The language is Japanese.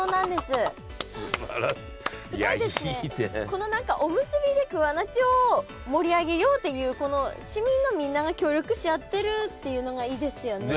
この何かおむすびで桑名市を盛り上げようっていう市民のみんなが協力し合ってるっていうのがいいですよね。